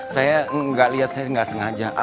saya gak liat saya gak sengaja